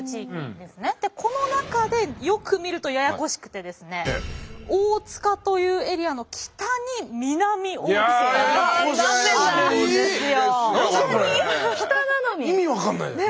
でこの中でよく見るとややこしくてですね大塚というエリアの北に南大塚があるんですよ。